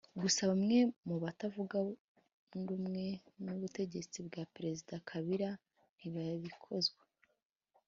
Gusa benshi mu batavuga rumwe n’ubutegetsi bwa Perezida Kabila ntibabikozwa